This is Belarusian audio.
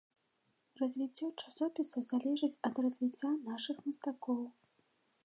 Развіццё часопіса залежыць ад развіцця нашых мастакоў.